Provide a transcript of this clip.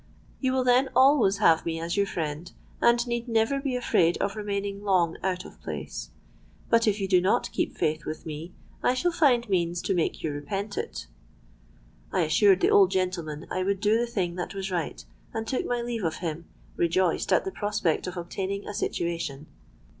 You will then always have me as your friend, and need never be afraid of remaining long out of place. But if you do not keep faith with me, I shall find means to make you repent it.'—I assured the old gentleman I would do the thing that was right; and took my leave of him, rejoiced at the prospect of obtaining a situation.